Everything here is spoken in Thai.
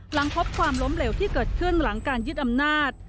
หลังพบความล้มเหลวที่เกิดขึ้นหลังการยึดอำนาจ